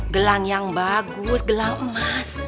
gelang yang bagus gelang emas